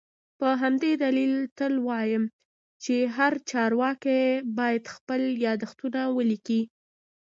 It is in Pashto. په همدې دلیل تل وایم چي هر چارواکی باید خپل یادښتونه ولیکي